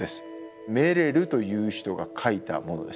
メレルという人が書いたものです。